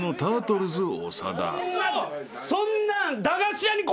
そんなん。